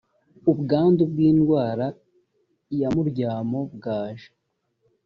ubwandu bw indwara ya muryamo bwaje